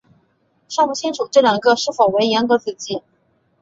尚不清楚这两个是否为严格子集。